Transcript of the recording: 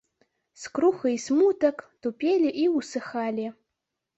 Скруха і смутак тупелі і ўсыхалі.